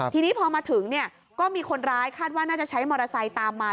ทีนี้พอมาถึงเนี่ยก็มีคนร้ายคาดว่าน่าจะใช้มอเตอร์ไซค์ตามมา